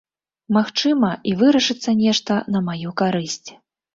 Магчыма, і вырашыцца нешта на маю карысць.